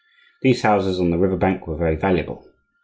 These houses on the river bank were very valuable.